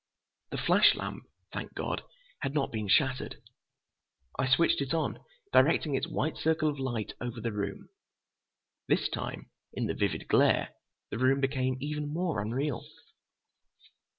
The flash lamp, thank God! had not been shattered. I switched it on, directing its white circle of light over the room. This time, in the vivid glare, the room became even more unreal.